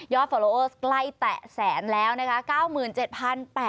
ฟอโลโอสใกล้แตะแสนแล้วนะคะ